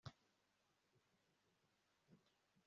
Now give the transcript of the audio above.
Repubulika y u Rwanda na Leta Zunze Ubumwe